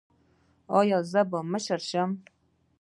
ایا زه باید مشر شم؟